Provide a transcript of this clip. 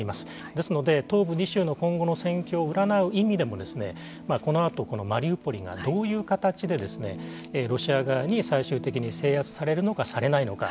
ですので、東部２州の今後の戦況を占う意味でもこのあとマリウポリがどういう形でロシア側に最終的に制圧されるのか、されないのか